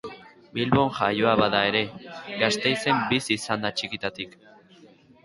Bilbon jaioa bada ere Gasteizen bizi izan da txikitatik.